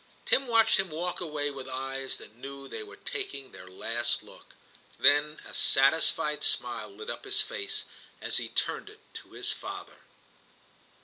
Tim watched him walk away with eyes that knew they were taking their last look. Then a satisfied smile lit up his face as he turned it to his father.